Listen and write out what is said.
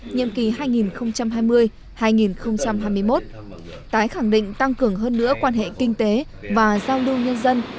nhiệm kỳ hai nghìn hai mươi hai nghìn hai mươi một tái khẳng định tăng cường hơn nữa quan hệ kinh tế và giao lưu nhân dân